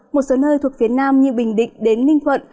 một số nơi thuộc phía nam như bình định đến ninh thuận